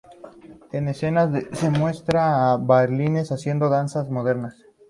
En escenas se muestra a bailarines haciendo danzas modernas.